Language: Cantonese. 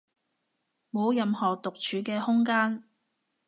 冇任何獨處嘅空間